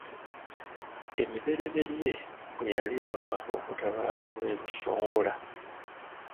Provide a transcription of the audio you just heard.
Emibereberye bwe yali ava okutabaala olw’e Busongola.